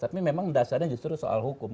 tapi memang dasarnya justru soal hukum